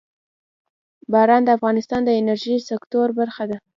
باران د افغانستان د انرژۍ سکتور برخه ده.